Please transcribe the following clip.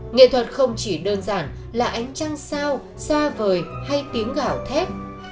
nghệ thuật không chỉ đơn giản là ánh trăng sao xa vời hay tiếng gạo thét